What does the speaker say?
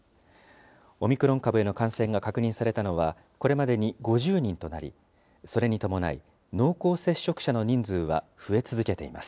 オミクロン株への感染が確認されたのは、これまでに５０人となり、それに伴い、濃厚接触者の人数は増え続けています。